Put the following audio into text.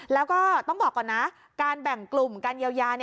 แล้วก็ต้องบอกก่อนนะการแบ่งกลุ่มการเยียวยา